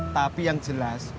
tapi yang jelas